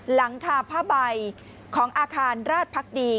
หลังคาผ้าใบของอาคารราชพักดี